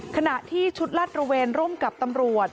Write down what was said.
ขณะที่ชุดลาดระเวนร่วมกับตำรวจ